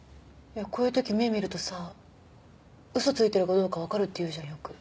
いやこういうとき目見るとさうそついてるかどうかわかるっていうじゃんよく。